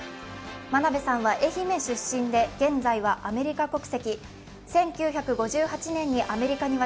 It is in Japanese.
真鍋さんは愛媛出身で現在はアメリカ国籍。